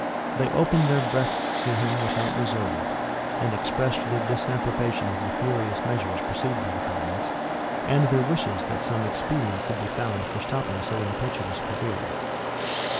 They opened their breasts to him without reserve, and expressed their disapprobation of the furious measures pursued by the commons, and their wishes that some expedient could be found for stopping so impetuous a career.